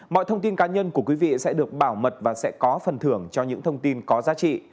mọi thông tin cá nhân của quý vị sẽ được bảo mật và sẽ có phần thưởng cho những thông tin có giá trị